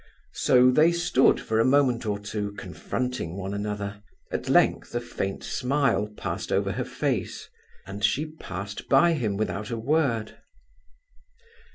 So they stood for a moment or two, confronting one another. At length a faint smile passed over her face, and she passed by him without a word.